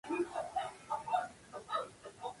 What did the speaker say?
这样爱你对 不对.